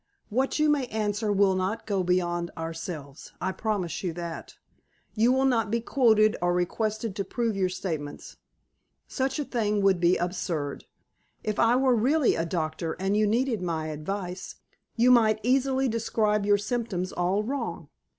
What you may answer will not go beyond ourselves. I promise you that. You will not be quoted, or requested to prove your statements. Such a thing would be absurd. If I were really a doctor, and you needed my advice, you might easily describe your symptoms all wrong.